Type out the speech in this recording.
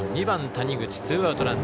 ２番、谷口。